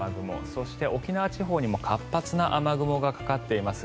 そして、沖縄地方にも活発な雨雲がかかっています。